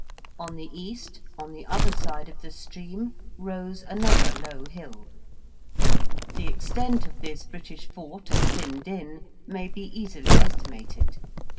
On the east on the other side of the stream rose another low hill. The extent of this British fort of Llyn din may be easily estimated.